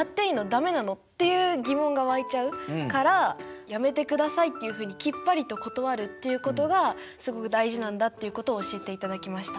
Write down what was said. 駄目なの？」っていう疑問が湧いちゃうから「やめてください」っていうふうにきっぱりと断るっていうことがすごく大事なんだっていうことを教えていただきました。